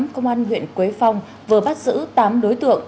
công an huyện quế phong vừa bắt giữ tám đối tượng